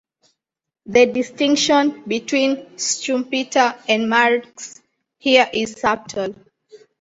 The distinction between Schumpeter and Marx here is subtle.